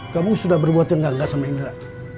kamu sudah berbuat yang gak gak sama indra